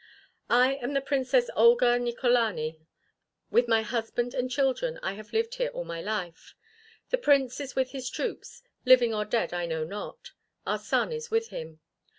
"I am the Princess Olga Nicholani; with my husband and children I have lived here all my life. The Prince is with his troops, living or dead I know not. Our son is with him.